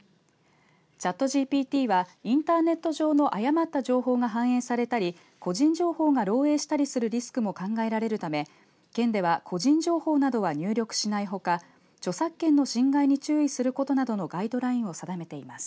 チャットＧＰＴはインターネット上の誤った情報が反映されたり個人情報が漏えいしたりするリスクも考えられるため県では個人情報などは入力しないほか著作権の侵害に注意することなどのガイドラインを定めています。